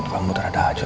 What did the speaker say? kamu terada aja